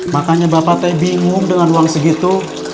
makanya bapak teh bingung dengan uang segitu